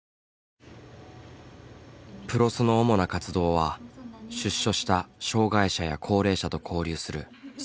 ＰＲＯＳの主な活動は出所した障害者や高齢者と交流する茶話会。